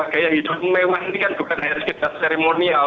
gaya hidup mewah ini kan bukan hanya seremonial